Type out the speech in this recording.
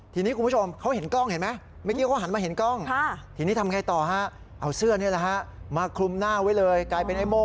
ทีนี้คุณผู้ชมเขาเห็นกล้องเห็นไหม